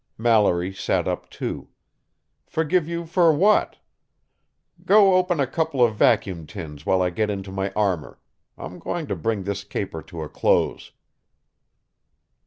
Mallory sat up, too. "Forgive you for what? Go open a couple of vacuum tins while I get into my armor I'm going to bring this caper to a close."